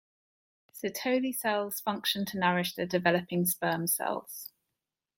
Sertoli cells function to nourish the developing sperm cells.